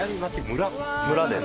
村です。